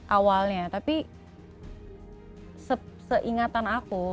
awalnya tapi seingatan aku